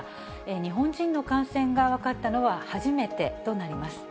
日本人の感染が分かったのは初めてとなります。